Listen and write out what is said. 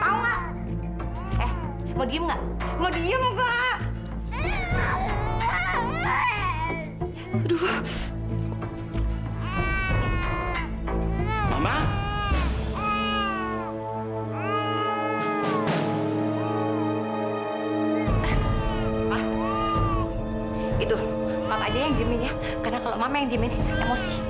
nggak kuat mama emosi